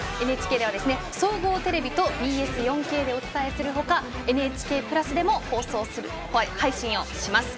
ＮＨＫでは総合テレビとＢＳ４Ｋでお伝えするほか「ＮＨＫプラス」でも配信します。